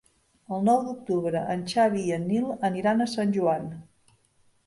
El nou d'octubre en Xavi i en Nil aniran a Sant Joan.